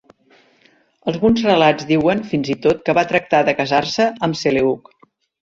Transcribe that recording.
Alguns relats diuen fins i tot que va tractar de casar-se amb Seleuc.